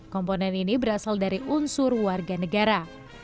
komponen ini berasal dari unsur warga negara